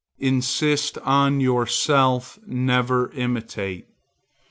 Insist on yourself; never imitate.